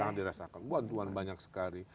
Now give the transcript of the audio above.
sangat dirasakan bantuan banyak sekali